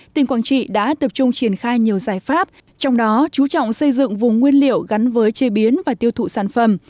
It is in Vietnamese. tỉnh quảng trị đã tập trung triển khai nhiều giải pháp trong đó chú trọng xây dựng vùng nguyên liệu gắn với chế biến và tiêu thụ sản phẩm